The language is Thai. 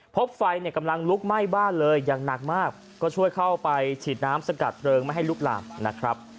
พบไฟเนี่ยกำลังลุกไหม้บ้านเลยอย่างหนักมากก็ช่วยเข้าไปฉีดน้ำสกัดเพลิงไม่ให้ลุกลามนะครับ